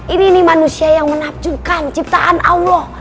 ini nih manusia yang menapjunkan ciptaan allah